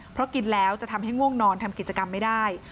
เพราะกินแล้วจะทำให้ง่วงนอนทำกิจกรรมไม่ได้